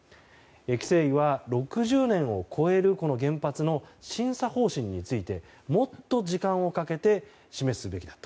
規制委は、６０年を超える原発の審査方針についてもっと時間をかけて示すべきだと。